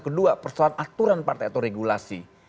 kedua persoalan aturan partai atau regulasi